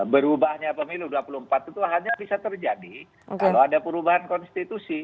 berubahnya pemilu dua ribu dua puluh empat itu hanya bisa terjadi kalau ada perubahan konstitusi